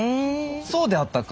そうであったか？